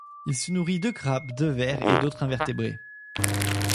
Il se nourrit de crabes, de vers et d'autres invertébrés.